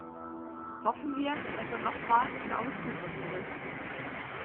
Hoffen wir, dass er noch mal ein Auge zudrücken wird.